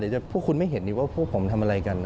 เดี๋ยวพวกคุณไม่เห็นว่าพวกผมทำอะไรกัน